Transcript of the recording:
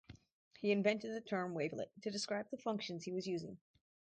He invented the term "wavelet" to describe the functions he was using.